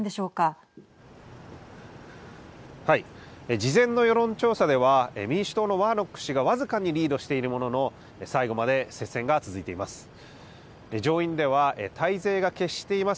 事前の世論調査では民主党のワーノック氏が僅かにリードしているものの最後まで接戦が続いています。